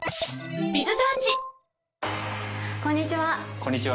こんにちは。